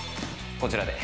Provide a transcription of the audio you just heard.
こちらで。